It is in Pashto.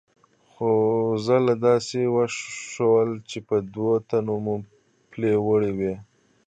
څو ځله داسې وشول چې په دوو تنو مو پلي وړي وو.